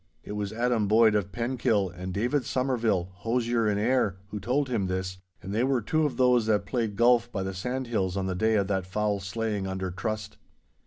It was Adam Boyd of Penkil, and David Somerville, hosier in Ayr, who told him this, and they were two of those that played golf by the sandhills on the day of that foul slaying under trust.